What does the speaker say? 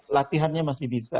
latihannya masih bisa